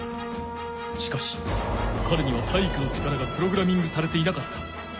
しかしかれには体育の力がプログラミングされていなかった。